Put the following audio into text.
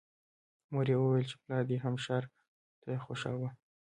مور یې ویل چې پلار دې هم ښار نه خوښاوه